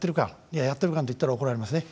いや、やってる感と言ったら怒られますね。